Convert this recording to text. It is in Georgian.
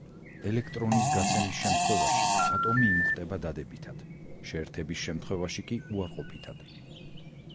ელექტრონის გაცემის შემთხვევაში ატომი იმუხტება დადებითად, შეერთების შემთხვევაში კი უარყოფითად.